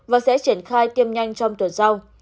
và sẽ triển khai tiêm nhanh trong tuần sau